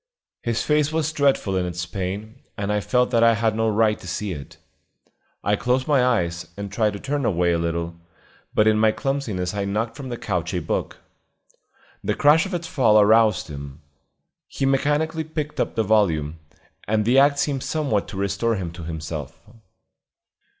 His face was dreadful in its pain, and I felt that I had no right to see it. I closed my eyes, and tried to turn away a little, but in my clumsiness I knocked from the couch a book. The crash of its fall aroused him. He mechanically picked up the volume, and the act seemed somewhat to restore him to himself.